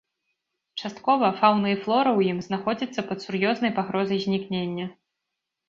Часткова фаўна і флора ў ім знаходзіцца пад сур'ёзнай пагрозай знікнення.